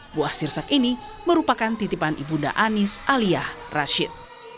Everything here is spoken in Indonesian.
buah sirsak ini merupakan titipan ibunda anis aliyah rashid